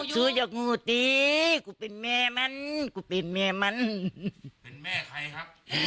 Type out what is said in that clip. ซื้อจากงูตีกูเป็นแม่มันกูเป็นแม่มันเป็นแม่ใครครับ